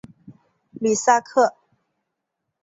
吕萨克。